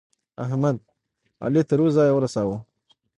احمد؛ علي تر يوه ځايه ورساوو.